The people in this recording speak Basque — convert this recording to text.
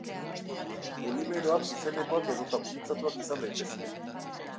Polimeroak zuzenekoak edota gurutzatuak izan daitezke.